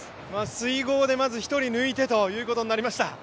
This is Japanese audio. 水濠でまず１人抜いてということになりました。